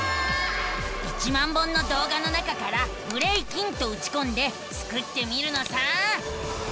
１万本のどうがの中から「ブレイキン」とうちこんでスクってみるのさ！